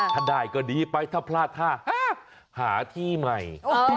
ถ้าได้ก็ดีไปถ้าพลาดท่าหาที่ใหม่